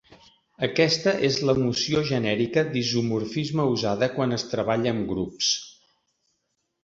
Aquesta és la noció genèrica d'isomorfisme usada quan es treballa amb grups.